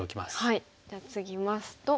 じゃあツギますと。